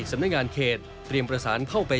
สำนักงานเขตเตรียมประสานเข้าไป